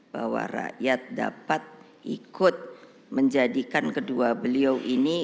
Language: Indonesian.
bahwa rakyat dapat ikut menjadikan kedua beliau ini